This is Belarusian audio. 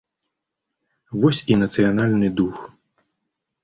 Вось і нацыянальны дух.